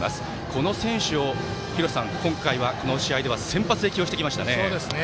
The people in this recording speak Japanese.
この選手を今回はこの試合では先発で起用してきましたね。